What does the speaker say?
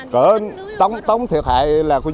mức độ thiệt hại lớn không anh